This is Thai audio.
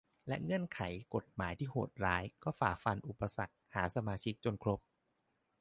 และเงื่อนไขกฎหมายที่โหดร้ายก็ฝ่าฟันอุปสรรคหาสมาชิกจนครบ